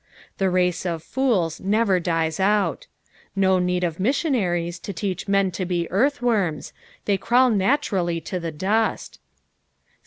The race of fools never dies out. No need of missionaries to teach men to be earthworms, they crawl naturally to the dust.